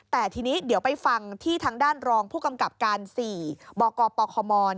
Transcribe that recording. แต่ทีนี้เดี๋ยวไปฟังที่ทางด้านรองผู้กำกับการ๔บกปคม